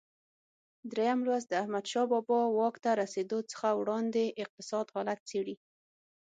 درېم لوست د احمدشاه بابا واک ته رسېدو څخه وړاندې اقتصادي حالت څېړي.